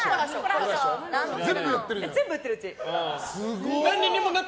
全部やってる、うち。